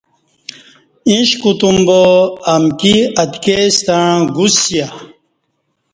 ایݩش کوتوم با امکی اتکی ستݩع گوسیہ